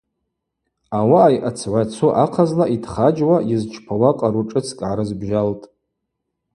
Ауагӏа йъацгӏвацу ахъазла йтхаджьуа йызчпауа къару шӏыцкӏ гӏарызбжьалтӏ.